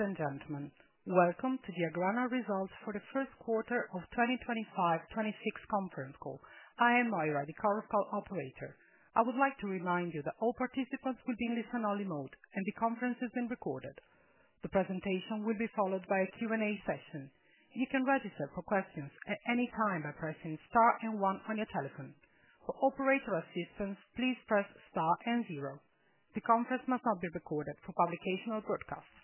Ladies and gentlemen, welcome to the AGRANA results for the first quarter of 2025-2026 conference call. I am Mayra, the call operator. I would like to remind you that all participants will be in listen-only mode, and the conference is being recorded. The presentation will be followed by a Q&A session. You can register for questions at any time by pressing star and one on your telephone. For operator assistance, please press star and zero. The conference must not be recorded for publication or broadcast.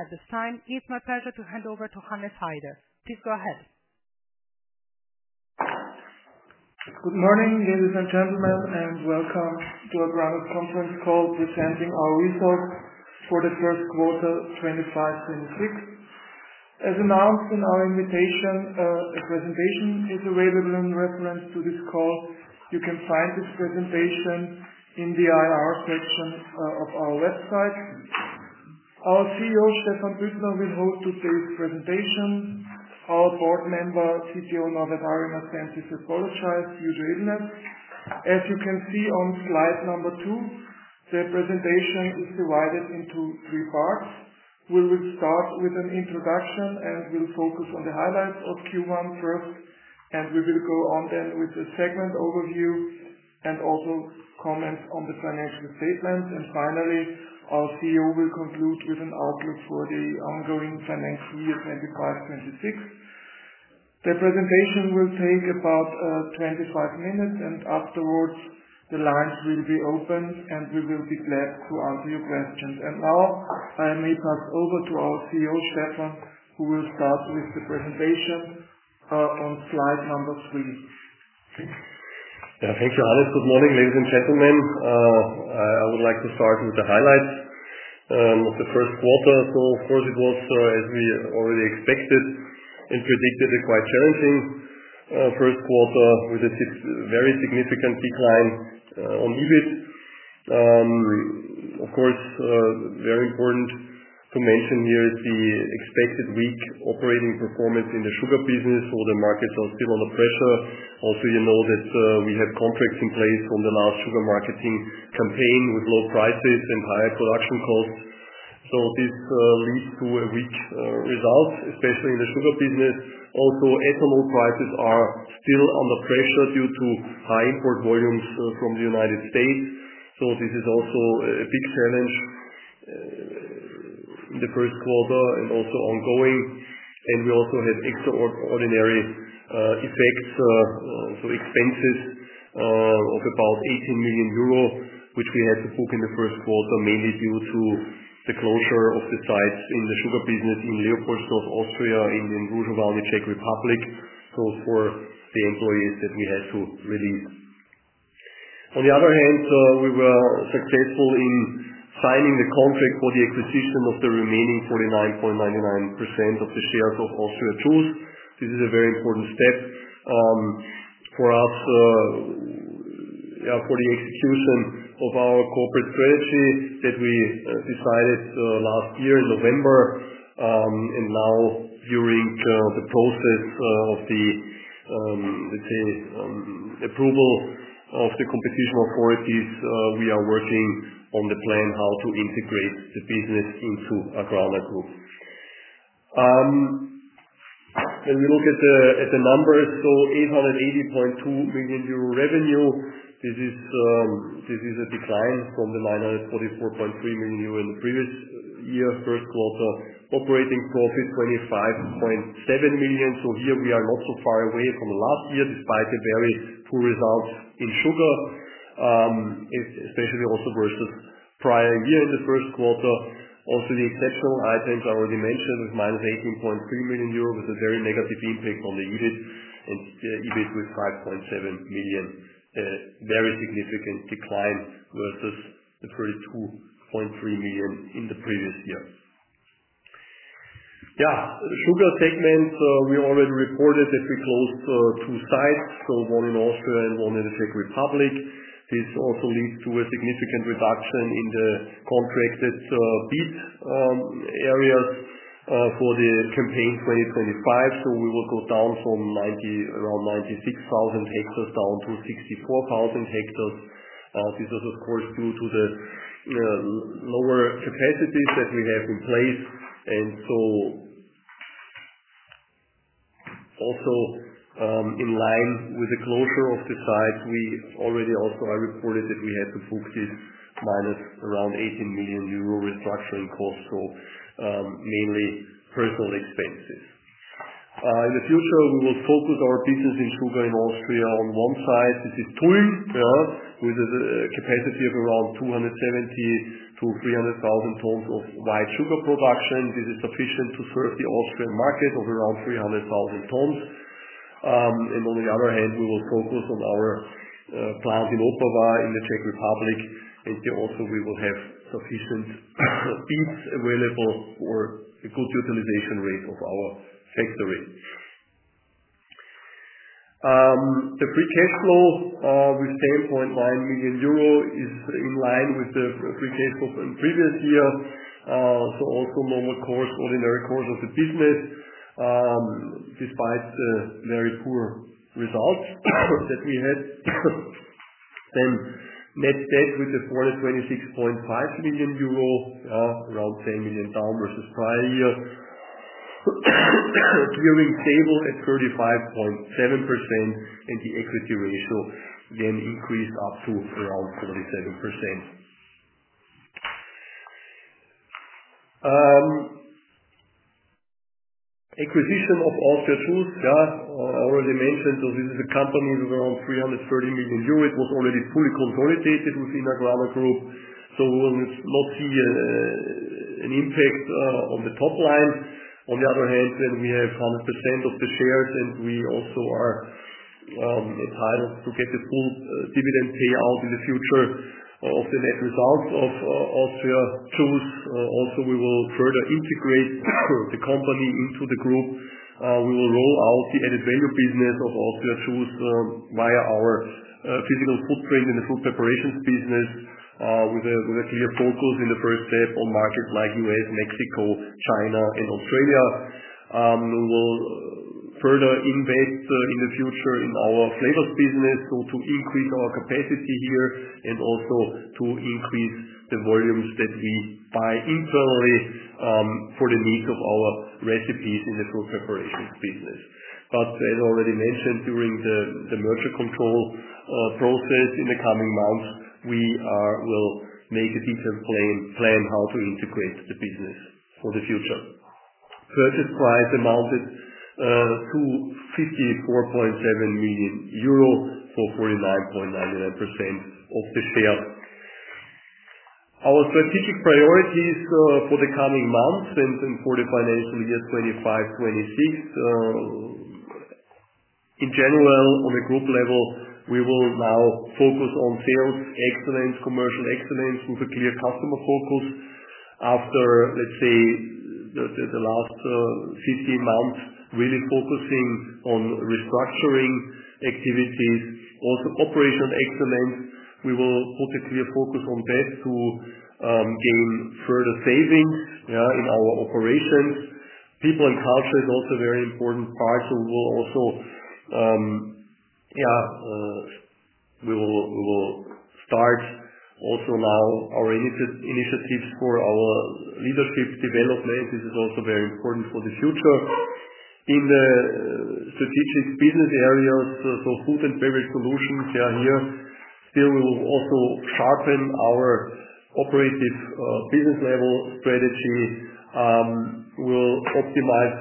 At this time, it is my pleasure to hand over to Hannes Haider. Please go ahead. Good morning, ladies and gentlemen, and welcome to AGRANA's conference call presenting our results for the first quarter of 2025-2026. As announced in our invitation, a presentation is available in reference to this call. You can find this presentation in the IR section of our website. Our CEO, Stephan Büttner, will host today's presentation. Our Board Member, CTO Norbert Harringer, sends his apologies for his unwillingness. As you can see on slide number two, the presentation is divided into three parts. We will start with an introduction and will focus on the highlights of Q1 first, we will go on then with a segment overview and also comments on the financial statements. Finally, our CEO will conclude with an outlook for the ongoing financial year 2025-2026. The presentation will take about 25 minutes, and afterwards, the lines will be opened, and we will be glad to answer your questions. Now, I may pass over to our CEO, Stephan, who will start with the presentation, on slide number three. Yeah, thank you, Hannes. Good morning, ladies and gentlemen. I would like to start with the highlights of the first quarter. Of course, it was, as we already expected and predicted, a quite challenging first quarter with a very significant decline on EBIT. Of course, very important to mention here is the expected weak operating performance in the sugar business, so the markets are still under pressure. Also, you know that we have contracts in place on the large sugar marketing campaign with low prices and higher production costs. This leads to a weak result, especially in the sugar business. Also, ethanol prices are still under pressure due to high import volumes from the U.S. This is also a big challenge in the first quarter and also ongoing. We also had extraordinary effects, so expenses of about 18 million euro, which we had to book in the first quarter, mainly due to the closure of the sites in the sugar business in Leopoldstadt, Austria, and in the Czech Republic for the employees that we had to release. On the other hand, we were successful in signing the contract for the acquisition of the remaining 49.99% of the shares of AUSTRIA JUICE. This is a very important step for us for the execution of our corporate strategy that we decided last year in November. Now, during the process of the approval of the competition authorities, we are working on the plan how to integrate the business into AGRANA Group. When we look at the numbers, EUR 880.2 million revenue. This is a decline from the 944.3 million euro in the previous year, first quarter. Operating profit 25.7 million. Here we are not so far away from last year, despite the very poor results in sugar, especially also versus prior year in the first quarter. Also, the exceptional items I already mentioned with minus 18.3 million euros was a very negative impact on the EBIT, and the EBIT was 5.7 million, a very significant decline versus the 32.3 million in the previous year. The sugar segment, we already reported that we closed two sites, one in Austria and one in the Czech Republic. This also leads to a significant reduction in the contracted, bids, areas for the campaign 2025. We will go down from around 96,000 ha down to 64,000 ha. This is, of course, due to the lower capacities that we have in place. In line with the closure of the sites, we already also reported that we had to book this minus around 18 million euro restructuring costs, mainly personnel expenses. In the future, we will focus our business in sugar in Austria on one site. This is Tulln, with a capacity of around 270,000 t-300,000 t of white sugar production. This is sufficient to serve the Austrian market of around 300,000 t. On the other hand, we will focus on our plant in Opava in the Czech Republic. Here also, we will have sufficient beets available for a good utilization rate of our factory. The free cash flow, with 10.9 million euro, is in line with the free cash flow from the previous year, so also normal course, ordinary course of the business. Despite the very poor results that we had, net debt with the 426.5 million euro, around 10 million down versus prior year. Clearing table at 35.7% and the equity ratio then increased up to around 47%. Acquisition of AUSTRIA JUICE, I already mentioned. This is a company with around 330 million euros. It was already fully consolidated within AGRANA Group. We will not see an impact on the top line. On the other hand, we have 100% of the shares, and we also are entitled to get the full dividend payout in the future of the net results of AUSTRIA JUICE. We will further integrate the company into the group. We will roll out the added value business of AUSTRIA JUICE via our physical footprint in the fruit preparations business, with a clear focus in the first step on markets like U.S., Mexico, China, and Australia. We will further invest in the future in our flavors business to increase our capacity here and also to increase the volumes that we buy internally for the needs of our recipes in the fruit preparations business. As I already mentioned, during the merger control process in the coming months, we will make a detailed plan how to integrate the business for the future. Purchase price amounted to 54.7 million euro for 49.99% of the share. Our strategic priorities for the coming months and for the financial year 2025-2026, in general, on a group level, we will now focus on sales excellence, commercial excellence with a clear customer focus. After, let's say, the last 15 months really focusing on restructuring activities, also operational excellence, we will put a clear focus on that to gain further savings in our operations. People and culture is also a very important part. We will also start our initiatives for our leadership development. This is also very important for the future. In the strategic business areas, food and beverage solutions, we will also sharpen our operative, business level strategy. We will optimize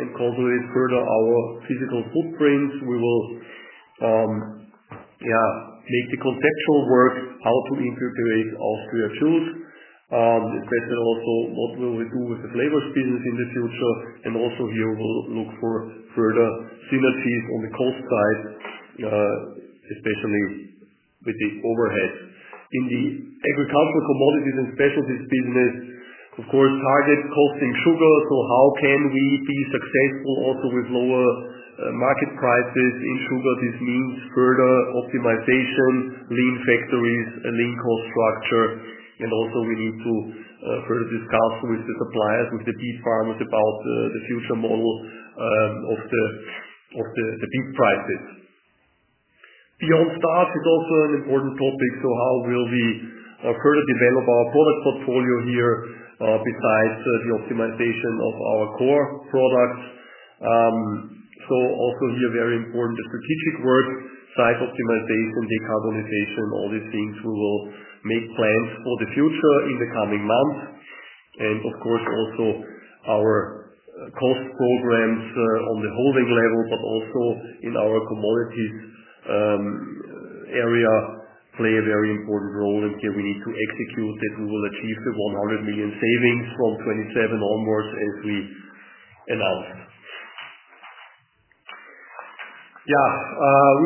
and consolidate further our physical footprint. We will make the conceptual work how to integrate AUSTRIA JUICE, especially also what we will do with the flavors business in the future. We will look for further synergies on the cost side, especially with the overhead. In the agricultural commodities and specialties business, of course, target costing sugar. How can we be successful also with lower market prices in sugar? This means further optimization, lean factories, a lean cost structure. We need to further discuss with the suppliers, with the beet farmers about the future model of the beet prices. Beyond starch, it's also an important topic. How will we further develop our product portfolio here, besides the optimization of our core products? Also here, very important, the strategic work, site optimization, decarbonization, all these things, we will make plans for the future in the coming months. Of course, also our cost programs on the holding level, but also in our commodities area, play a very important role. We need to execute that we will achieve the 100 million savings from 2027 onwards as we announce. We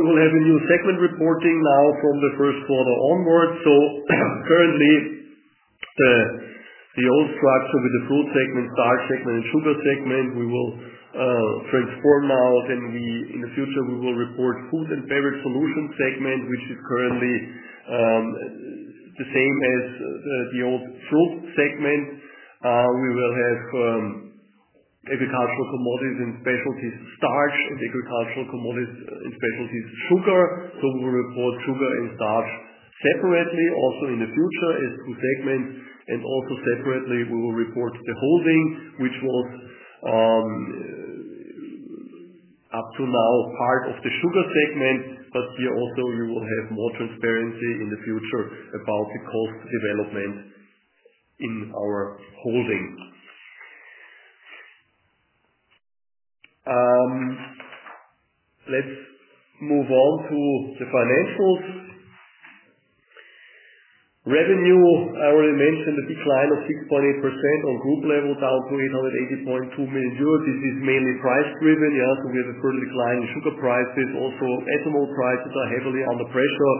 will have a new segment reporting now from the first quarter onwards. Currently, the old structure with the fruit segment, starch segment, and sugar segment, we will transform now. In the future, we will report food and beverage solutions segment, which is currently the same as the old fruit segment. We will have agricultural commodities and specialties starch and agricultural commodities and specialties sugar. We will report sugar and starch separately also in the future as two segments. Separately, we will report the holding, which was up to now part of the sugar segment. Here also, we will have more transparency in the future about the cost development in our holding. Let's move on to the financials. Revenue, I already mentioned the decline of 6.8% on group level down to 880.2 million euro. This is mainly price-driven, so we have a further decline in sugar prices. Also, ethanol prices are heavily under pressure.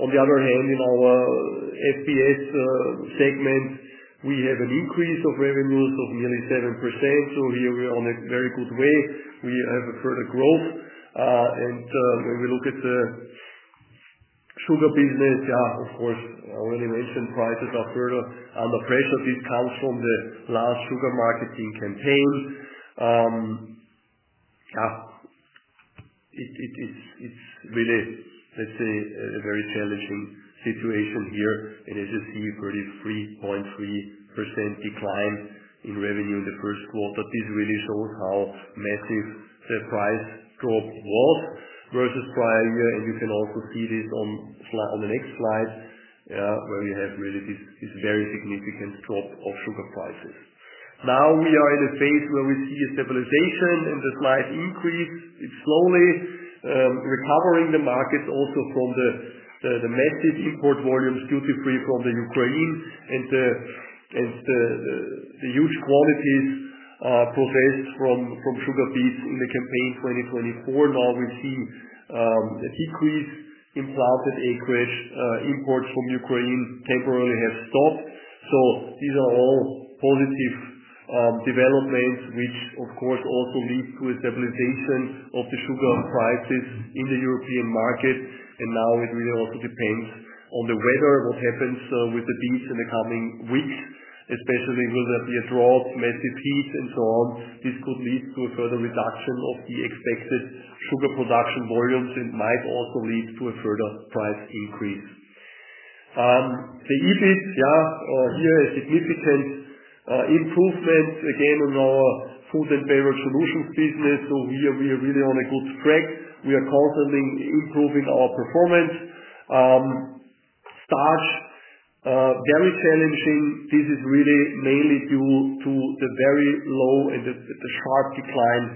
On the other hand, in our food and beverage solutions segment, we have an increase of revenues of nearly 7%. Here, we are on a very good way. We have further growth. When we look at the sugar business, yeah, of course, I already mentioned prices are further under pressure. This comes from the large sugar marketing campaign. It's really, let's say, a very challenging situation here. As you see, a 33.3% decline in revenue in the first quarter. This really shows how massive the price drop was versus prior year. You can also see this on the next slide, where we have really this very significant drop of sugar prices. Now we are in a phase where we see a stabilization and a slight increase. It's slowly recovering the markets also from the massive import volumes duty-free from the Ukraine. The huge quantities are processed from sugar beets in the campaign 2024. Now we've seen a decrease in planted acreage. Imports from Ukraine temporarily have stopped. These are all positive developments, which, of course, also lead to a stabilization of the sugar prices in the European market. Now it really also depends on the weather, what happens with the beets in the coming weeks, especially will there be a drought, massive heat, and so on. This could lead to a further reduction of the expected sugar production volumes and might also lead to a further price increase. The EBIT, yeah, here is a significant improvement again in our food and beverage solutions business. Here, we are really on a good track. We are constantly improving our performance. Starch, very challenging. This is really mainly due to the very low and the sharp decline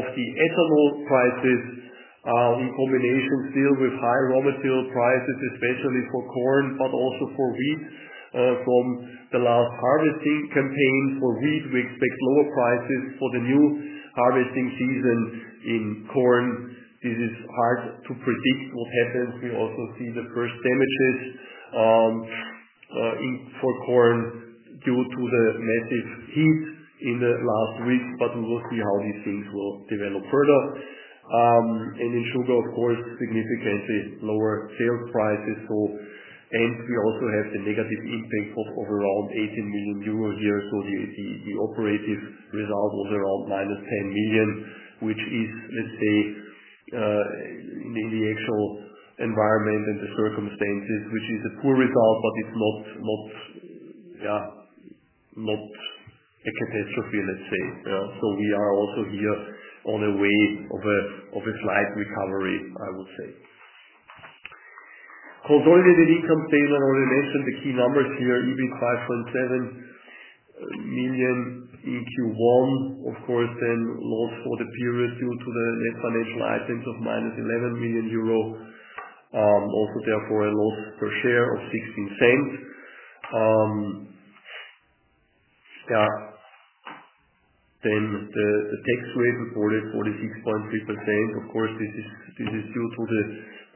of the ethanol prices, in combination still with high raw material prices, especially for corn, but also for wheat. From the last harvesting campaign for wheat, we expect lower prices for the new harvesting season in corn. This is hard to predict what happens. We also see the first damages for corn due to the massive heat in the last week, but we will see how these things will develop further. In sugar, of course, significantly lower sales prices. We also have the negative impact of around 18 million euro here. The operative result was around minus 10 million, which is, let's say, in the actual environment and the circumstances, a poor result, but it's not, not yeah, not a catastrophe, let's say. Yeah, so we are also here on a way of a slight recovery, I would say. Consolidated income statement, I already mentioned the key numbers here, EBIT 5.7 million in Q1. Of course, then loss for the period due to the net financial items of minus 11 million euro. Also, therefore, a loss per share of 0.16. Yeah, then the tax rate reported 46.3%. Of course, this is due to the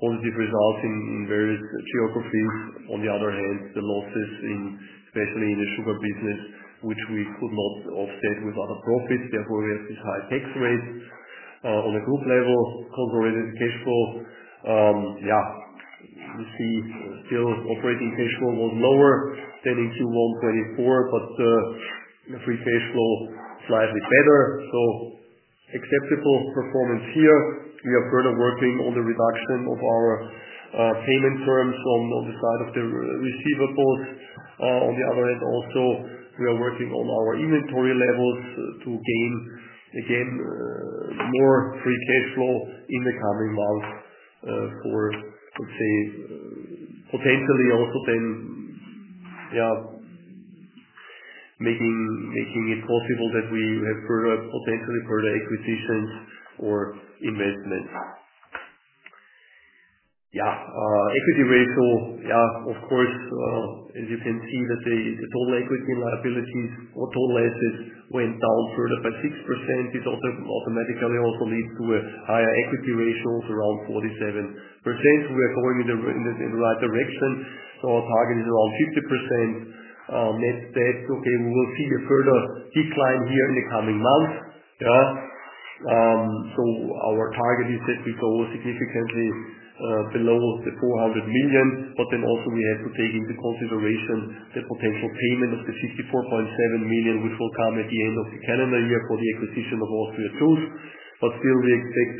positive results in various geographies. On the other hand, the losses, especially in the sugar business, which we could not offset with other profits. Therefore, we have this high tax rate. On a group level, consolidated cash flow, yeah, we see still operating cash flow was lower than in Q1 2024, but the free cash flow is slightly better. So acceptable performance here. We are further working on the reduction of our payment terms on the side of the receivables. On the other hand, also, we are working on our inventory levels to gain, again, more free cash flow in the coming months, for, let's say, potentially also then, yeah, making it possible that we have potentially further acquisitions or investments. Yeah, equity ratio, yeah, of course, as you can see, let's say the total equity and liabilities or total assets went down further by 6%. This automatically also leads to a higher equity ratio of around 47%. We are going in the right direction. Our target is around 50%. Net debt, okay, we will see a further decline here in the coming months. Yeah, our target is that we go significantly below the 400 million. Also, we have to take into consideration the potential payment of the 54.7 million, which will come at the end of the calendar year for the acquisition of AUSTRIA JUICE. Still, we expect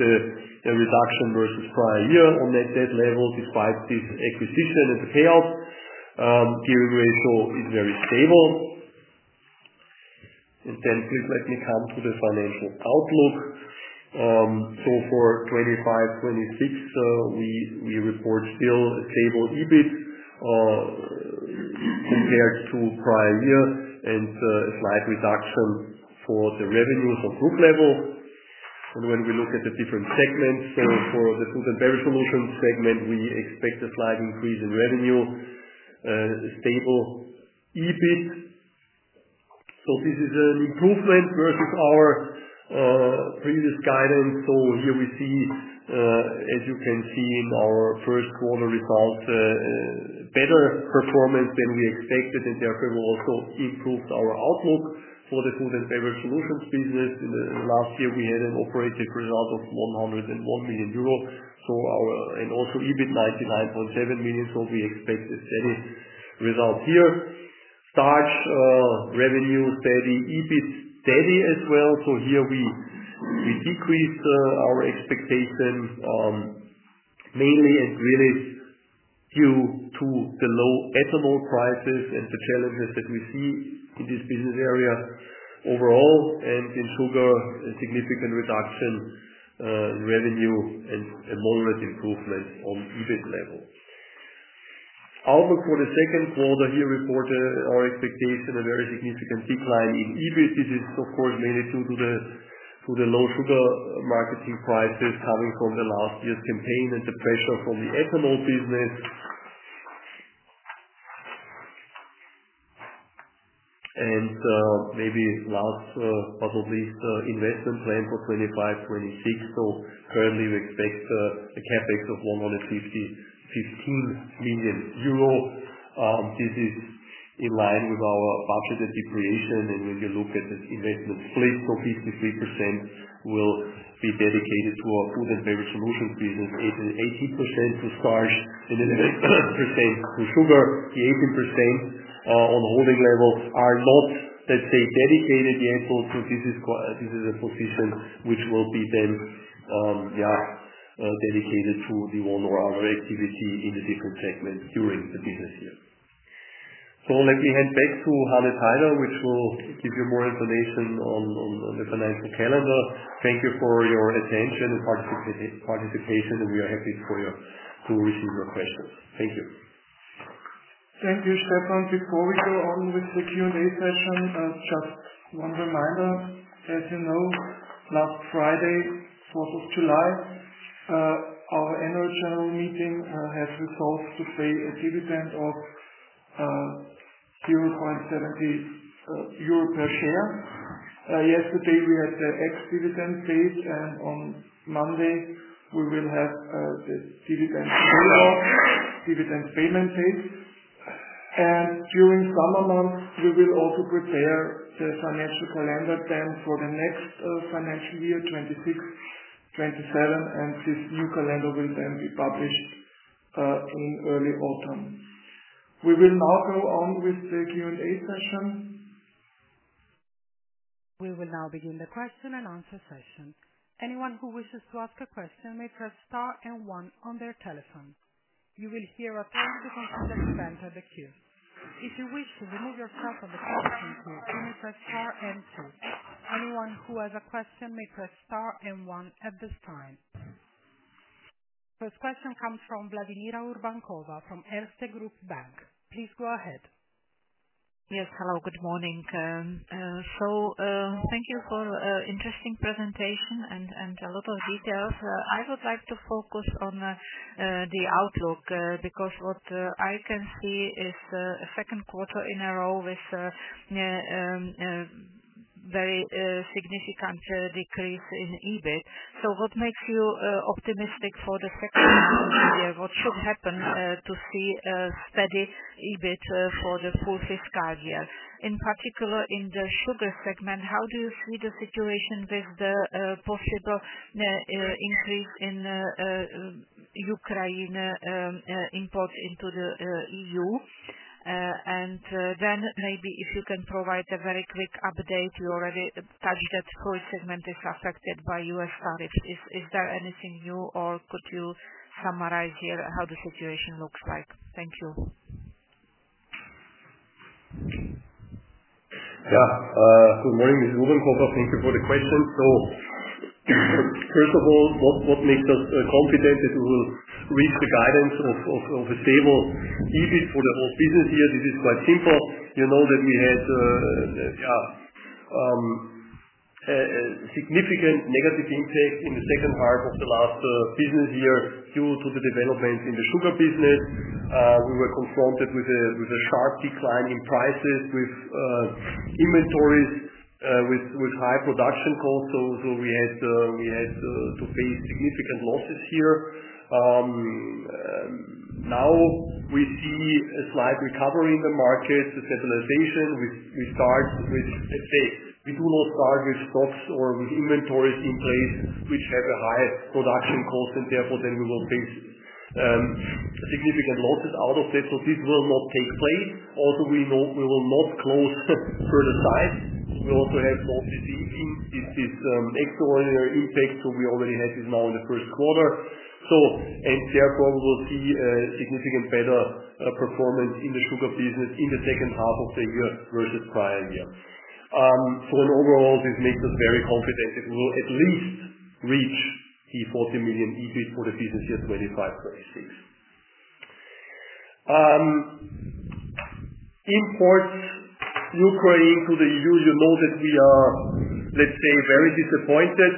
a reduction versus prior year on net debt levels despite this acquisition and the payout. Giving ratio is very stable. Please let me come to the financial outlook. For 2025-2026, we report still a stable EBIT compared to prior year and a slight reduction for the revenues on group level. When we look at the different segments, for the food and beverage solutions segment, we expect a slight increase in revenue, a stable EBIT. This is an improvement versus our previous guidance. Here we see, as you can see in our first quarter results, a better performance than we expected. Therefore, we also improved our outlook for the food and beverage solutions business. In the last year, we had an operating result of 101 million euro, so our and also EBIT 99.7 million. We expect a steady result here. Starch, revenue steady, EBIT steady as well. We decreased our expectations mainly and really due to the low ethanol prices and the challenges that we see in this business area overall. In sugar, a significant reduction, revenue, and a moderate improvement on EBIT level. Outlook for the second quarter here reported our expectation a very significant decline in EBIT. This is, of course, mainly due to the low sugar marketing prices coming from the last year's campaign and the pressure from the ethanol business. Maybe last, but not least, investment plan for 2025-2026. Currently, we expect a CapEx of 115 million euro. This is in line with our budgeted depreciation. When you look at the investment split, 53% will be dedicated to our food and beverage solutions business, 18% to starch, and then 11% to sugar. The 18% on holding level are not, let's say, dedicated yet. This is a position which will be then, yeah, dedicated to the one or other activity in the different segments during the business year. Let me hand back to Hannes Haider, which will give you more information on the financial calendar. Thank you for your attention and participation, and we are happy to receive your questions. Thank you. Thank you, Stephan. Before we go on with the Q&A session, just one reminder. As you know, last Friday, July 4th, our annual general meeting has resolved to pay a dividend of 0.70 per share. Yesterday, we had the ex-dividend paid, and on Monday, we will have the dividend payoff, dividend payment paid. During summer months, we will also prepare the financial calendar for the next financial year, 2026-2027, and this new calendar will then be published in early autumn. We will now go on with the Q&A session. We will now begin the question and answer session. Anyone who wishes to ask a question may press star and one on their telephone. You will hear a tone to confirm the event at the queue. If you wish to remove yourself from the conference room queue, you may press star and two. Anyone who has a question may press star and one at this time. First question comes from Vladimira Urbankova from Erste Group Bank. Please go ahead. Yes. Hello. Good morning. Thank you for an interesting presentation and a lot of details. I would like to focus on the outlook, because what I can see is a second quarter in a row with a very significant decrease in EBIT. What makes you optimistic for the second quarter of the year? What should happen to see steady EBIT for the full fiscal year? In particular, in the sugar segment, how do you see the situation with the possible increase in Ukraine import into the EU? Maybe if you can provide a very quick update. You already touched that food segment is affected by U.S. tariffs. Is there anything new, or could you summarize here how the situation looks like? Thank you. Yeah. Good morning, Ms. Urbankova. Thank you for the question. First of all, what makes us confident is we will reach the guidance of a stable EBIT for the whole business here. This is quite simple. You know that we had a significant negative impact in the second half of the last business year due to the developments in the sugar business. We were confronted with a sharp decline in prices, with inventories, with high production costs. We had to face significant losses here. Now we see a slight recovery in the markets, a stabilization. We do not start with stocks or with inventories in place which have a high production cost, and therefore, we will not face significant losses out of this. This will not take place. Also, we know we will not close further sites. We also have noticed this extraordinary impact. We already had this now in the first quarter. Therefore, we will see a significantly better performance in the sugar business in the second half of the year versus prior year. Overall, this makes us very confident that we will at least reach the 40 million EBIT for the business year 2025-2026. Imports from Ukraine to the EU, you know that we are very disappointed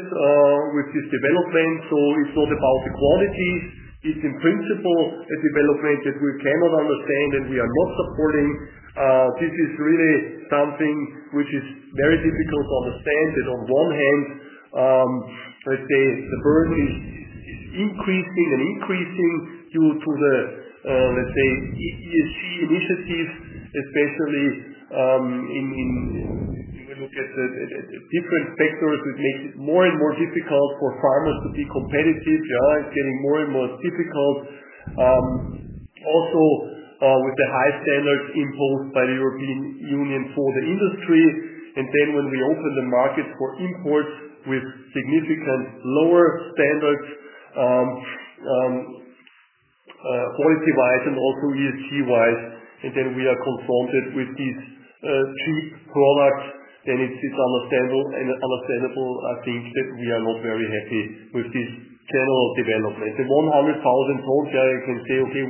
with this development. It's not about the quantities. It's, in principle, a development that we cannot understand and we are not supporting. This is really something which is very difficult to understand. On one hand, the burden is increasing and increasing due to the ESG initiatives, especially if you look at the different sectors, it makes it more and more difficult for farmers to be competitive. Yeah, it's getting more and more difficult. Also, with the high standards imposed by the European Union for the industry. When we open the markets for imports with significantly lower standards, quality-wise and also ESG-wise, and then we are confronted with these cheap products, then it's understandable, I think, that we are not very happy with this general development. The 100,000 t, yeah, you can say, okay,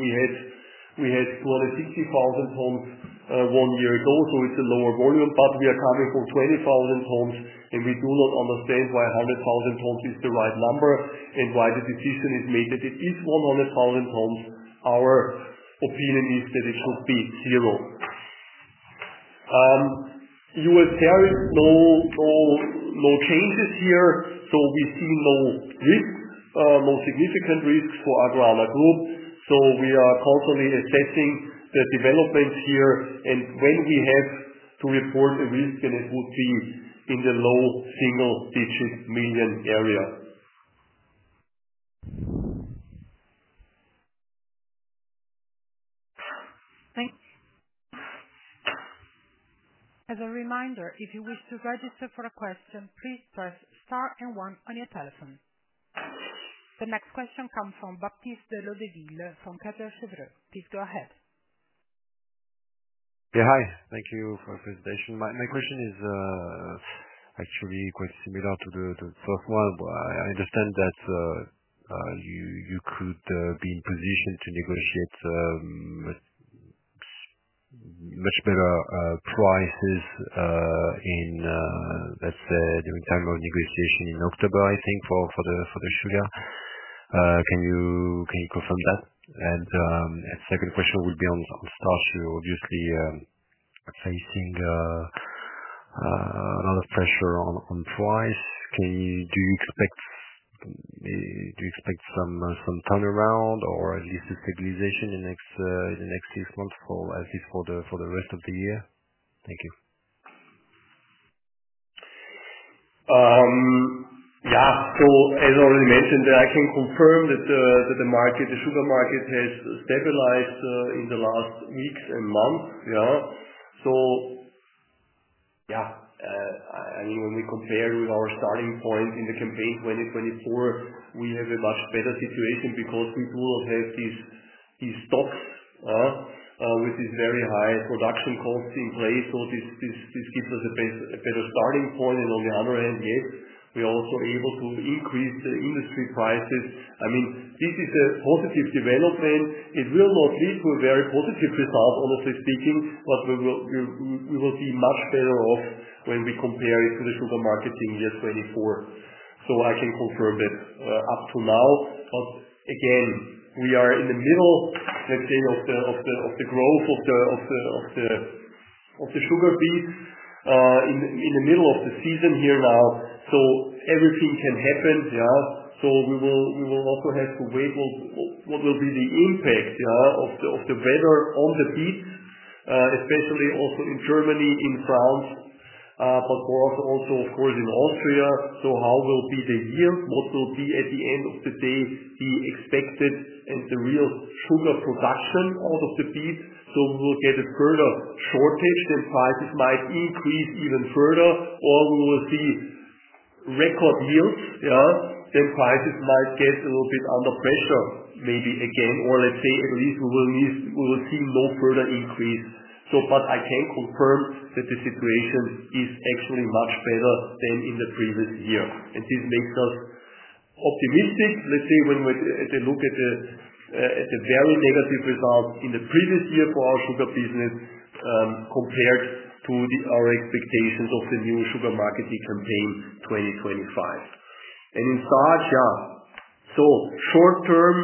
we had 260,000 t one year ago, so it's a lower volume, but we are coming from 20,000 t, and we do not understand why 100,000 t is the right number and why the decision is made that it is 100,000 t. Our opinion is that it should be zero. U.S. tariffs, no, no, no changes here. We see no risks, no significant risks for AGRANA Group. We are constantly assessing the developments here. When we have to report a risk, then it would be in the low single-digit million area. Thank you. As a reminder, if you wish to register for a question, please press star and one on your telephone. The next question comes from Baptiste de Leudeville from Kepler Cheuvreux. Please go ahead. Yeah, hi. Thank you for the presentation. My question is actually quite similar to the first one. I understand that you could be in position to negotiate much better prices, let's say, during the time of negotiation in October, I think, for the sugar. Can you confirm that? The second question would be on starch. You're obviously facing a lot of pressure on price. Do you expect some turnaround or at least a stabilization in the next six months, for at least the rest of the year? Thank you. Yeah. As I already mentioned, I can confirm that the sugar market has stabilized in the last weeks and months. When we compare with our starting point in the campaign 2024, we have a much better situation because we do not have these stocks with these very high production costs in place. This gives us a better starting point. On the other hand, yes, we are also able to increase the industry prices. This is a positive development. It will not lead to a very positive result, honestly speaking, but we will be much better off when we compare it to the sugar market in year 2024. I can confirm that up to now. We are in the middle of the growth of the sugar beets, in the middle of the season here now. Everything can happen. We will also have to weigh what will be the impact of the weather on the beets, especially also in Germany, in France, but for us also, of course, in Austria. How will be the yield? What will be at the end of the day the expected and the real sugar production out of the beets? If we will get a further shortage, then prices might increase even further, or we will see record yields, then prices might get a little bit under pressure maybe again, or at least we will see no further increase. I can confirm that the situation is actually much better than in the previous year. This makes us optimistic when we look at the very negative results in the previous year for our sugar business, compared to our expectations of the new sugar marketing campaign 2025. In starch, short term,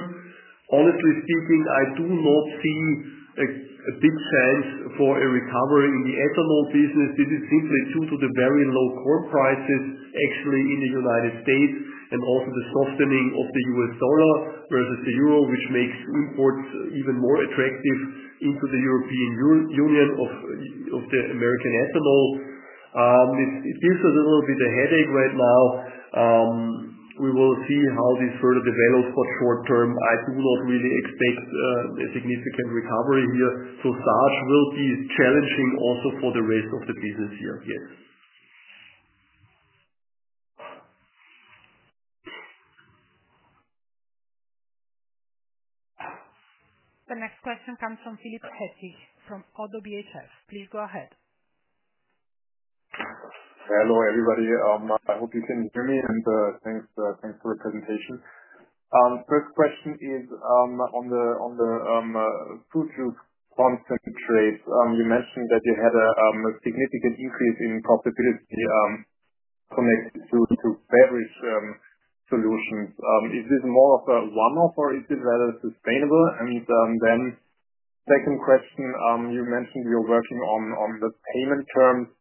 honestly speaking, I do not see a big chance for a recovery in the ethanol business. This is simply due to the very low corn prices, actually, in the United States, and also the softening of the U.S. dollar versus the euro, which makes imports even more attractive into the European Union of the American ethanol. It gives us a little bit of a headache right now. We will see how this further develops. Short term, I do not really expect a significant recovery here. Starch will be challenging also for the rest of the business here, yes. The next question comes from Philip Hettich from ODDO BHF. Please go ahead. Hello, everybody. I hope you can hear me, and thanks for the presentation. First question is on the fruit juice concentrates. You mentioned that you had a significant increase in profitability connected to beverage solutions. Is this more of a one-off, or is this rather sustainable? The second question, you mentioned you're working on the payment terms.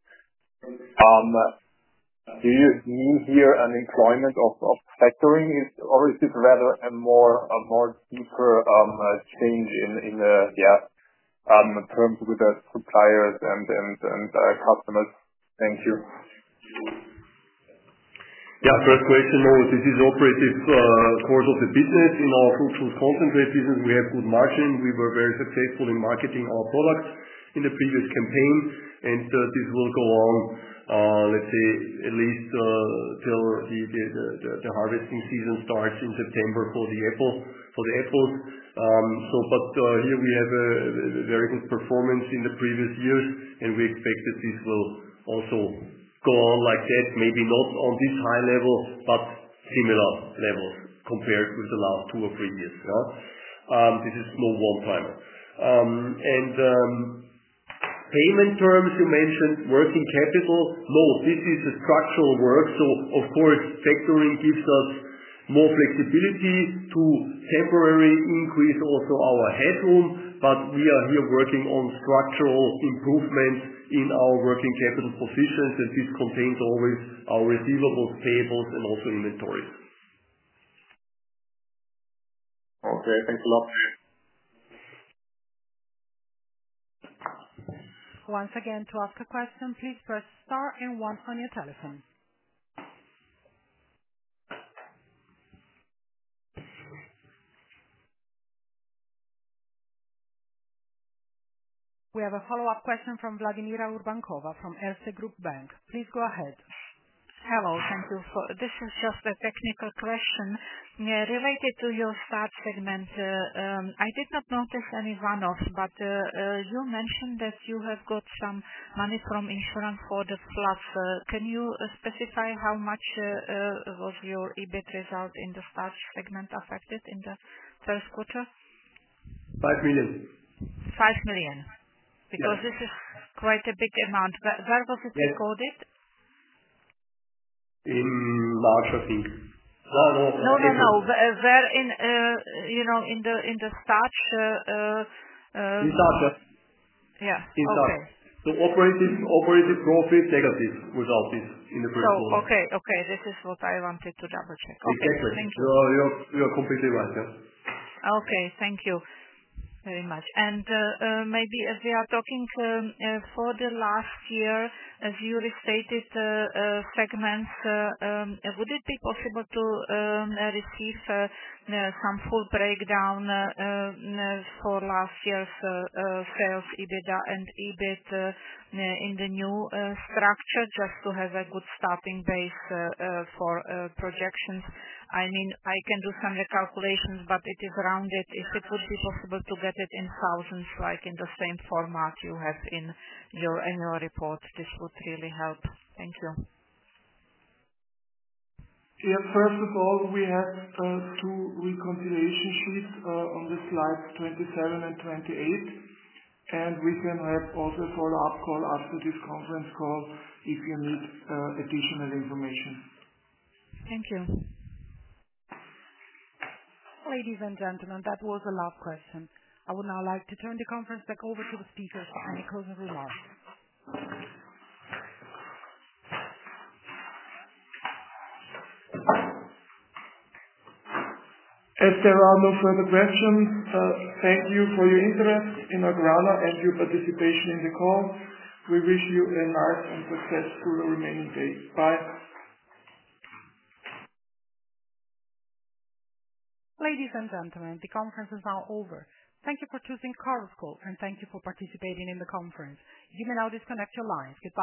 Do you mean here an employment of factoring? Or is this rather a more deeper change in the, yeah, terms with the suppliers and customers? Thank you. Yeah. First question, no, this is the operative course of the business. In our food juice concentrate business, we have good margins. We were very successful in marketing our products in the previous campaign, and this will go on, let's say, at least till the harvesting season starts in September for the apples. Here we have a very good performance in the previous years, and we expect that this will also go on like that, maybe not on this high level, but similar levels compared with the last two or three years. Yeah, this is no one-time. Payment terms, you mentioned working capital. No, this is a structural work. Of course, factoring gives us more flexibility to temporarily increase also our headroom, but we are here working on structural improvements in our working capital positions, and this contains always our receivables, payables, and also inventories. Okay, thanks a lot. Once again, to ask a question, please press star and one on your telephone. We have a follow-up question from Vladimira Urbankova from Erste Group Bank. Please go ahead. Hello. Thank you. This is just a technical question, related to your starch segment. I did not notice any runoff, but you mentioned that you have got some money from insurance for the floods. Can you specify how much? Was your EBIT result in the starch segment affected in the first quarter? 5 million. 5 million? Yes. Because this is quite a big amount, where was it recorded? In March, I think. No, no. No, no. Where in, you know, in the starch? In starch, yeah. Yeah. In starch. Okay. Operating profit negative without this in the first quarter. Okay. This is what I wanted to double-check. Okay. Exactly. Thank you. You're completely right. Yeah. Okay. Thank you very much. Maybe as we are talking for the last year, as you restate it, segments, would it be possible to receive some full breakdown for last year's sales, EBITDA, and EBIT in the new structure just to have a good starting base for projections? I mean, I can do some recalculations, but it is rounded. If it would be possible to get it in thousands, like in the same format you have in your annual report, this would really help. Thank you. First of all, we have two reconciliation sheets on slides 27 and 28. We can have also a follow-up call after this conference call if you need additional information. Thank you. Ladies and gentlemen, that was the last question. I would now like to turn the conference back over to the speakers for any closing remarks. If there are no further questions, thank you for your interest in AGRANA and your participation in the call. We wish you a nice and successful remaining day. Bye. Ladies and gentlemen, the conference is now over. Thank you for choosing Chorus Call, and thank you for participating in the conference. You may now disconnect your lines. Goodbye.